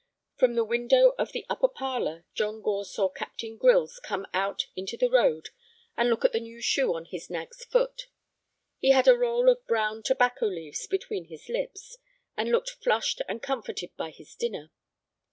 From the window of the upper parlor John Gore saw Captain Grylls come out into the road and look at the new shoe on his nag's foot. He had a roll of brown tobacco leaves between his lips, and looked flushed and comforted by his dinner.